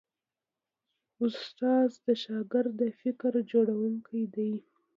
استاد د شاګرد د فکر جوړوونکی دی.